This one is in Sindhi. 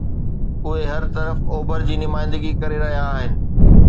اهي هر هنڌ اوڀر جي نمائندگي ڪري رهيا آهن